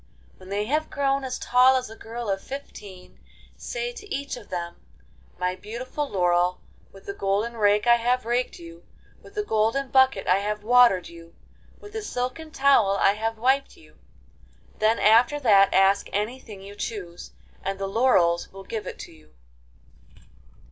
When they have grown as tall as a girl of fifteen, say to each of them, ''My beautiful laurel, with the golden rake I have raked you, with the golden bucket I have watered you, with the silken towel I have wiped you.'' Then after that ask anything you choose, and the laurels will give it to you.